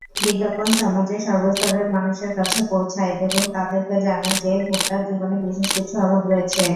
বিজ্ঞাপন সমাজের সর্বস্তরের মানুষের কাছে পৌঁছায়, এবং তাদেরকে জানায় যে ভোক্তার জীবনে বিশেষ কিছু অভাব রয়েছে।